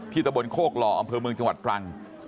ตะบนโคกหล่ออำเภอเมืองจังหวัดตรัง